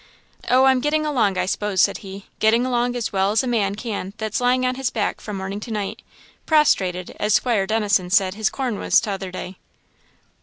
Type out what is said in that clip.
"Oh, I'm getting along, I s'pose," said he "getting along as well as a man can that's lying on his back from morning to night; prostrated, as Squire Dennison said his corn was t'other day."